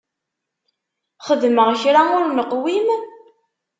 Xedmeɣ kra ur neqwim?